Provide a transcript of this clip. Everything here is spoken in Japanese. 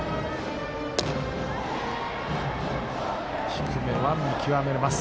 低めは見極めます。